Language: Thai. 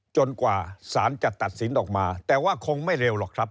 กว่าสารจะตัดสินออกมาแต่ว่าคงไม่เร็วหรอกครับ